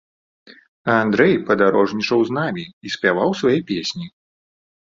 Андрэй падарожнічаў з намі і спяваў свае песні.